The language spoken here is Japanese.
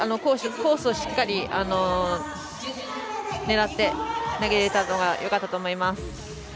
コースをしっかり狙って投げられたのがよかったと思います。